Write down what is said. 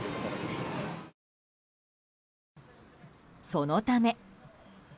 そのため。